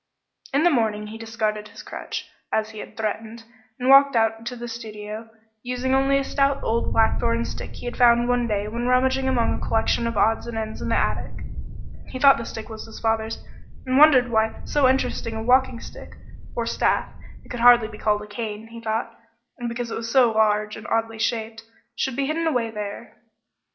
In the morning he discarded his crutch, as he had threatened, and walked out to the studio, using only a stout old blackthorn stick he had found one day when rummaging among a collection of odds and ends in the attic. He thought the stick was his father's and wondered why so interesting a walking stick or staff; it could hardly be called a cane, he thought, because it was so large and oddly shaped should be hidden away there.